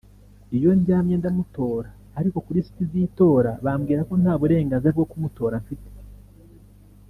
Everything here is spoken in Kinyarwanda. Iyo ndyamye ndamutora ariko kuri lisiti z’itora bambwira ko nta burenganzira bwo kumutora mfite